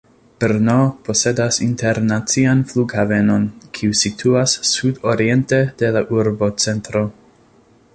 Brno posedas internacian flughavenon, kiu situas sud-oriente de la urbocentro.